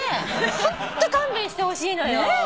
ホント勘弁してほしいのよ。